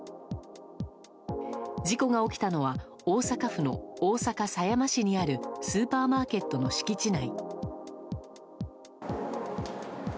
事故が起きたのは、大阪府の大阪狭山市にあるスーパーマーケットの敷地内。